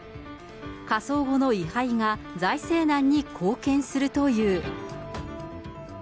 火葬後の遺灰が財政難に貢献するという。